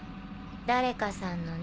誰かさんのね。